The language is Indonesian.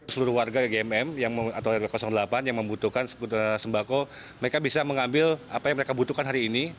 seluruh warga gmm atau rw delapan yang membutuhkan sembako mereka bisa mengambil apa yang mereka butuhkan hari ini